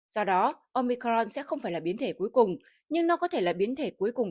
do đó omicorn sẽ không phải là biến thể cuối cùng nhưng nó có thể là biến thể cuối cùng